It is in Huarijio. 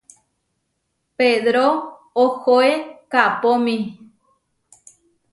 Pedró ohoé kaʼpómi.